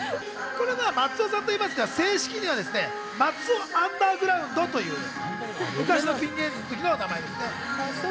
松尾さんといいますか、正式には松尾アンダーグラウンドという昔のピン芸人の時の名前ですね。